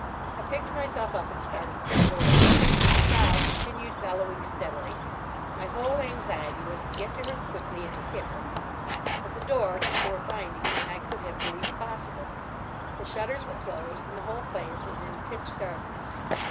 I picked myself up and started for the door. The cow continued bellowing steadily. My whole anxiety was to get to her quickly and to hit her. But the door took more finding than I could have believed possible. The shutters were closed and the whole place was in pitch darkness.